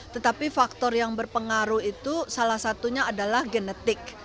tetapi faktor yang berpengaruh itu salah satunya adalah genetik